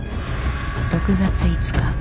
６月５日。